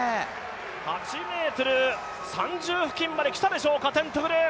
８ｍ３０付近まで来たでしょうか、テントグル。